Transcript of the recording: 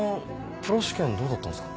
プロ試験どうだったんすか？